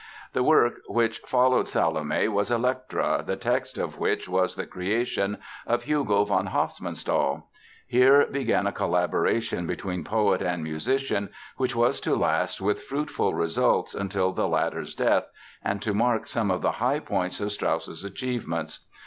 The work which followed Salome was Elektra, the text of which was the creation of Hugo von Hofmannsthal. Here began a collaboration between poet and musician which was to last with fruitful results until the latter's death, and to mark some of the high points of Strauss's achievements.